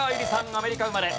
アメリカ生まれ。